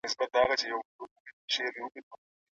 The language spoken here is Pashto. جرمونه د افرادو کړنې دي.